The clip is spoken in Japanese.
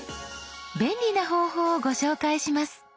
便利な方法をご紹介します。